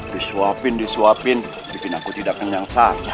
disuapin disuapin bikin aku tidak kenyang sah